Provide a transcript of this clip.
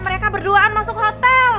mereka berduaan masuk hotel